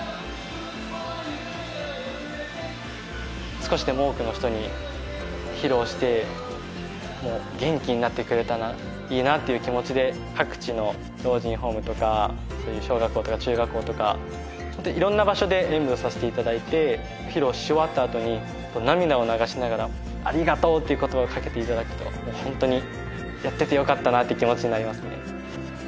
少しでも多くの人に披露してもう元気になってくれたらいいなっていう気持ちで各地の老人ホームとかそういう小学校とか中学校とか本当にいろんな場所で演舞をさせていただいて披露し終わったあとに涙を流しながらありがとうっていう言葉をかけていただくと本当にやっててよかったなって気持ちになりますね